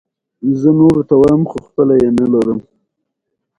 ازادي راډیو د بانکي نظام په اړه د پرانیستو بحثونو کوربه وه.